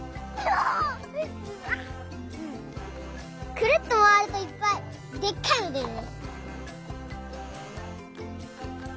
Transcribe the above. くるっとまわるといっぱいでっかいのでるね。